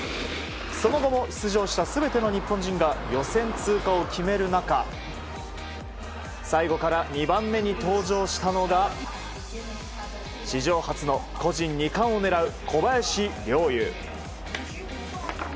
その後も出場者全ての日本人が予選通過を決める中最後から２番目に登場したのが史上初の個人２冠を狙う小林陵侑。